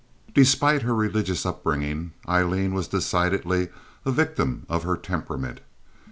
Despite her religious upbringing, Aileen was decidedly a victim of her temperament.